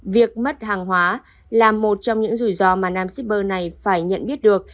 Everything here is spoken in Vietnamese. việc mất hàng hóa là một trong những rủi ro mà nam shipper này phải nhận biết được